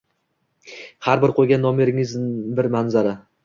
Har bir qo‘ygan nomeringiz bir manzara.